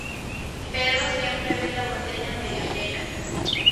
Pedro siempre ve la botella medio llena